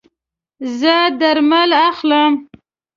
زه درمل اخلم